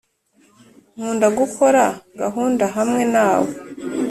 nkunda gukora gahunda hamwe nawe